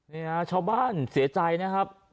เนี่ยชาวบ้านเสียใจนะครับ